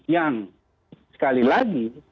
yang sekali lagi